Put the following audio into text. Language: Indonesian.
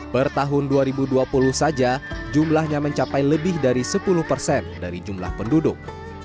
per tahun dua ribu dua puluh saja jumlahnya mencapai lebih dari sepuluh persen dari jumlah penduduk